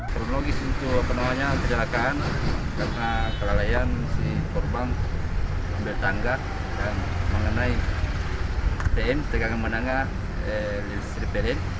kronologis untuk penolanya kecelakaan karena kelalaian si korban ambil tangga dan mengenai pm tegangan menangah listrik pm